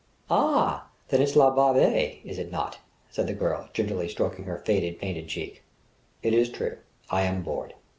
"Ah, then it's la barbe, is it not?" said the girl, gingerly stroking her faded, painted cheek. "It is true: I am bored."